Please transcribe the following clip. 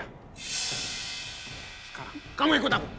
sekarang kamu ikut aku